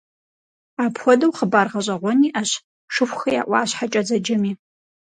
Апхуэдэу хъыбар гъэщӏэгъуэн иӏэщ «Шыхухэ я ӏуащхьэкӏэ» зэджэми.